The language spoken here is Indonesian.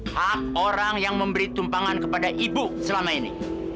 hak orang yang memberi tumpangan kepada ibu selama ini